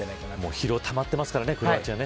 疲労たまってますからねクロアチアね。